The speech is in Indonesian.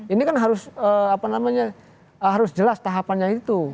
ini kan harus jelas tahapannya itu